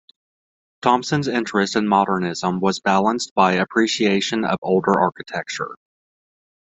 Thompson's interest in modernism was balanced by appreciation of older architecture.